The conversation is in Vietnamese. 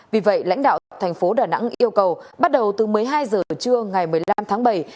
vì vậy lãnh đạo tp đà nẵng yêu cầu bắt đầu từ một mươi hai giờ trưa ngày một mươi năm tháng bảy